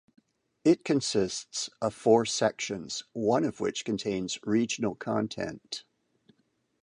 It consists of four sections, one of which contains regional content.